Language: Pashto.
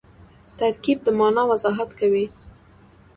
ترکیب د مانا وضاحت کوي.